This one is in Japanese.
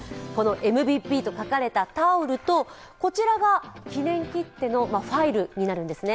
ＭＶＰと書かれたタオルと、記念切手のファイルになるんですね。